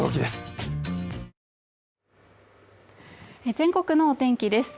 全国の天気です